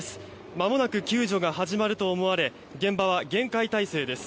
まもなく救助が始まると思われ現場は厳戒態勢です。